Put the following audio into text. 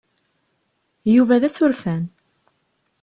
Yuba d asurfan.